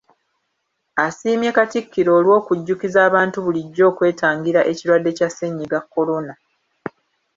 Asiimye Katikkiro olw’okujjukiza abantu bulijjo okwetangira ekirwadde kya Ssennyiga "Corona".